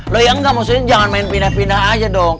loh ya enggak maksudnya jangan main pindah pindah aja dong